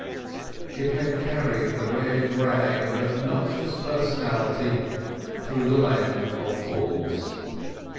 It meant carrying the red rag of an obnoxious personality through a land of bulls.